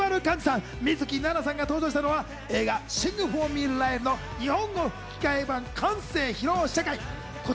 さぁ、大泉洋さん、石丸幹二さん、水樹奈々さんが登場したのは、映画『シング・フォー・ミー、ライル』の日本語吹き替え版完成披露試写会。